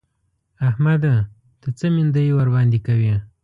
احمده! ته څه مينده يي ورباندې کوې؟!